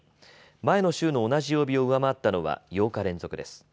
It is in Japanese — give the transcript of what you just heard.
前の週の同じ曜日を上回ったのは８日連続です。